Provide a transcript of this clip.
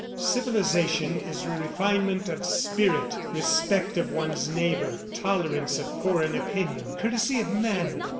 Civilization is refinement of spirit, respect of one's neighbor, tolerance of foreign opinion, courtesy of manner.